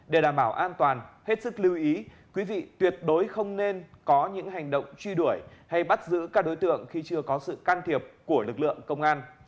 để đảm bảo an toàn hết sức lưu ý quý vị tuyệt đối không nên có những hành động truy đuổi hay bắt giữ các đối tượng khi chưa có sự can thiệp của lực lượng công an